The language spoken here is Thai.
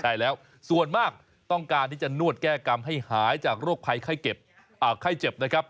ใช่แล้วส่วนมากต้องการที่จะนวดแก้กรรมให้หายจากโรคภัยไข้เจ็บนะครับ